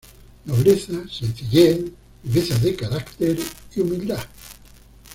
Nobleza, sencillez, viveza de carácter y humildad.